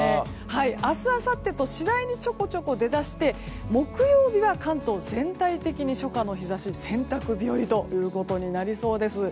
明日あさってと次第に出だして木曜日は初夏の日差し洗濯日和ということになりそうです。